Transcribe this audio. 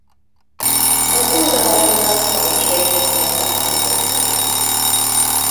Az oldalágnak ma is élnek leszármazottai.